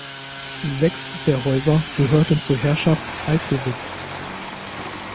Sechs der Häuser gehörten zur Herrschaft Taikowitz.